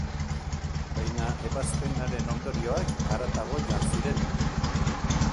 Baina ebazpenaren ondorioak haratago joan ziren.